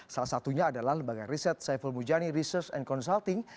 salah satunya adalah lembaga riset saiful mujani research and consulting